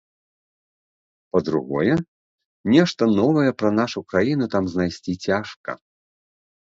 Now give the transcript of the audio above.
Па-другое, нешта новае пра нашу краіну там знайсці цяжка.